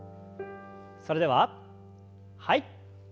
それでははい。